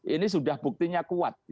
ini sudah buktinya kuat